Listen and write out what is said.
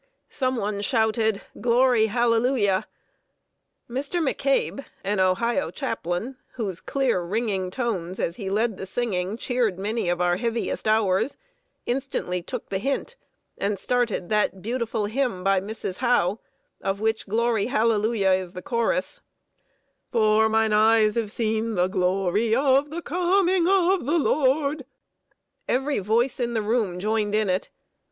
Some one shouted, "Glory, hallelujah!" Mr. McCabe, an Ohio chaplain, whose clear, ringing tones, as he led the singing, cheered many of our heaviest hours, instantly took the hint, and started that beautiful hymn, by Mrs. Howe, of which "Glory, hallelujah" is the chorus: "For mine eyes have seen the glory of the coming of the Lord." Every voice in the room joined in it.